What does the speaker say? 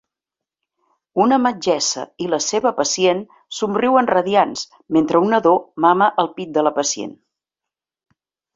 Una metgessa i la seva pacient somriuen radiants mentre un nadó mama al pit de la pacient.